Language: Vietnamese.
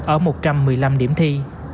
ở một trăm một mươi năm điểm thi